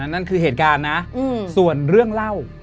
นั่นคือเหตุการณ์นะส่วนเรื่องเล่า